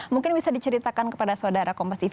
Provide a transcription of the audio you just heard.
mungkin bisa diceritakan kepada saudara kompas tv